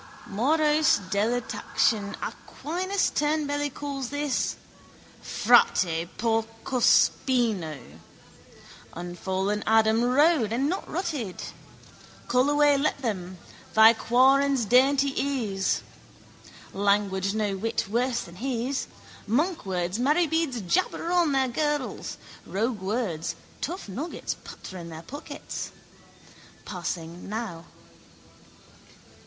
Morose delectation Aquinas tunbelly calls this, frate porcospino. Unfallen Adam rode and not rutted. Call away let him: thy quarrons dainty is. Language no whit worse than his. Monkwords, marybeads jabber on their girdles: roguewords, tough nuggets patter in their pockets. Passing now.